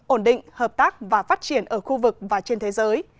ổn định hợp tác và phát triển ở khu vực và trên thế giới